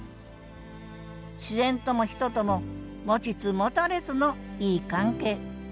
自然とも人とも持ちつ持たれつのいい関係